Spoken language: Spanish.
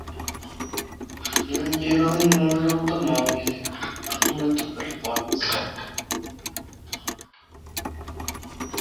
Il giro del mondo in automobile", "Fortunato per forza!